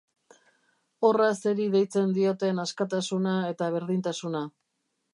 Horra zeri deitzen dioten askatasuna eta berdintasuna!